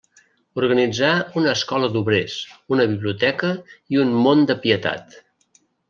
Organitzà una escola d'obrers, una biblioteca i un mont de pietat.